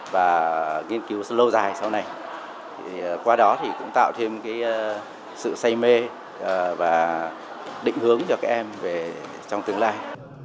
và nghiên cứu lâu dài sau này qua đó thì cũng tạo thêm cái sự say mê và định hướng cho các em trong tương lai